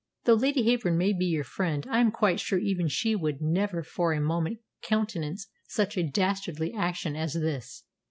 "Though Lady Heyburn may be your friend, I am quite sure even she would never for a moment countenance such a dastardly action as this!"